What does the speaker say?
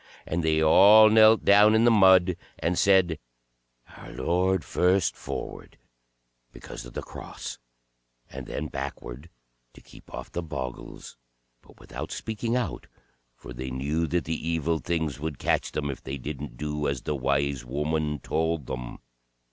And they all knelt down in the mud, and said, "Our Lord, first forward, because of the cross, and then backward, to keep off the Bogles; but without speaking out, for they knew that the Evil Things would catch them, if they didn't do as the Wise Woman told them."